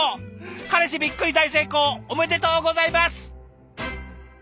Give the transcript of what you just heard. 彼氏びっくり大成功おめでとうございます！